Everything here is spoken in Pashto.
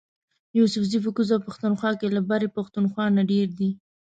یوسفزي په کوزه پښتونخوا کی له برۍ پښتونخوا نه ډیر دي